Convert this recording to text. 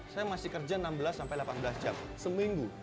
saya masih kerja enam belas sampai delapan belas jam seminggu